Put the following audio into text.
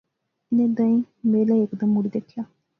انیں دائیں میں لے ہیک دم مڑی دیکھیا